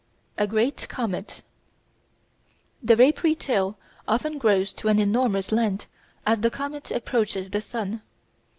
A Great Comet The vapoury tail often grows to an enormous length as the comet approaches the sun.